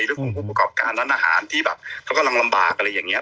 เรื่องของผู้ประกอบการร้านอาหารที่แบบเขากำลังลำบากอะไรอย่างนี้